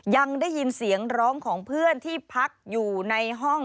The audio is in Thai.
ยังได้ยินเสียงร้องของเพื่อนที่พักอยู่ในห้อง